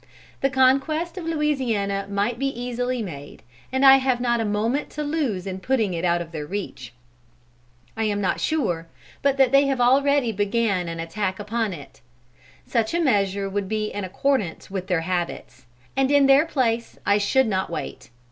The conquest of Louisiana might be easily made, and I have not a moment to lose in putting it out of their reach. I am not sure but that they have already began an attack upon it. Such a measure would be in accordance with their habits; and in their place I should not wait.